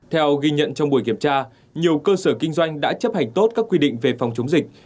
theo ghi nhận trong buổi kiểm tra nhiều cơ sở kinh doanh đã chấp hành tốt các quy định về phòng chống dịch